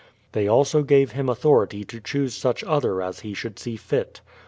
They also gave him authority to choose such other as he should see fit.